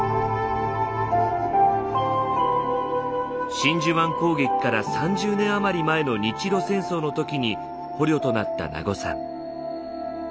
真珠湾攻撃から３０年余り前の日露戦争の時に捕虜となった名護さん。